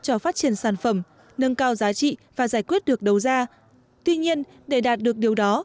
cho phát triển sản phẩm nâng cao giá trị và giải quyết được đầu ra tuy nhiên để đạt được điều đó